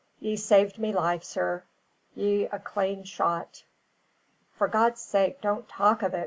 Ye saved me life, sir; ye're a clane shot." "For God's sake, don't talk of it!"